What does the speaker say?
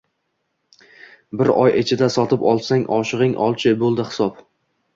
Bir oy ichida sotib olsang, oshigʻing olchi boʻldi hisob.